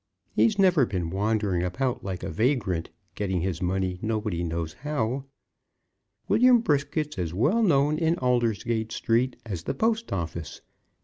He's never been wandering about like a vagrant, getting his money nobody knows how. William Brisket's as well known in Aldersgate Street as the Post Office.